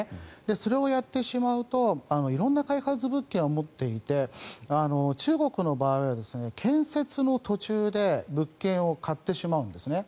それをやってしまうと色んな開発物件を持っていて中国の場合は建設の途中で物件を買ってしまうんですね。